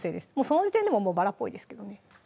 その時点でもうバラっぽいですけどね